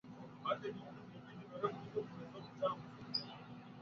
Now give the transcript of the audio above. -Cie Medicale (Camp Col Mayuya)